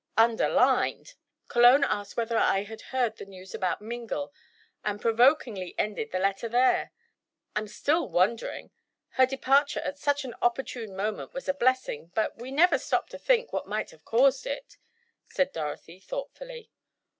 "Underlined, Cologne asked whether I had heard the news about Mingle, and provokingly ended the letter there. I'm still wondering. Her departure at such an opportune moment was a blessing, but we never stopped to think what might have caused it," said Dorothy, thoughtfully.